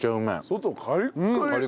外カリッカリ！